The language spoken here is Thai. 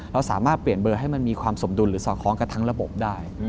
เราสามารถเปลี่ยนเบอร์ให้มันมีความสมดุลหรือสอดคล้องกับทั้งระบบได้